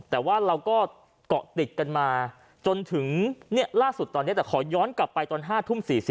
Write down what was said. แต่ว่าเราก็เกาะติดกันมาจนถึงล่าสุดตอนนี้แต่ขอย้อนกลับไปตอน๕ทุ่ม๔๐